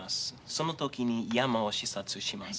その時に山を視察します。